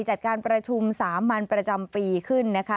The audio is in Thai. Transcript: จัดการประชุมสามัญประจำปีขึ้นนะคะ